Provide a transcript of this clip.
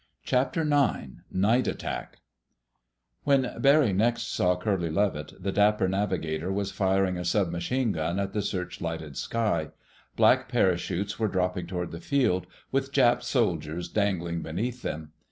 CHAPTER NINE NIGHT ATTACK When Barry next saw Curly Levitt, the dapper navigator was firing a sub machine gun at the searchlighted sky. Black parachutes were dropping toward the field, with Jap soldiers dangling beneath them.